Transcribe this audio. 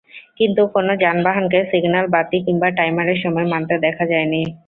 কিন্তু কোনো যানবাহনকে সিগন্যাল বাতি কিংবা টাইমারের সময় মানতে দেখা যায়নি।